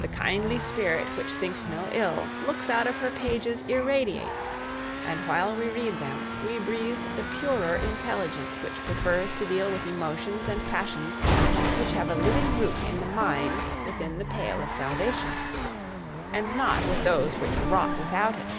The kindly spirit which thinks no ill looks out of her pages irradiate; and while we read them, we breathe the purer intelligence which prefers to deal with emotions and passions which have a living root in minds within the pale of salvation, and not with those which rot without it.